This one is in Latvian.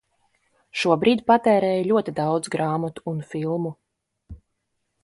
Šobrīd patērēju ļoti daudz grāmatu un filmu.